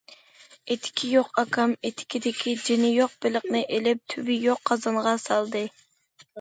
ئېتىكى يوق ئاكام ئېتىكىدىكى جېنى يوق بېلىقنى ئېلىپ، تۈۋى يوق قازانغا سالدى.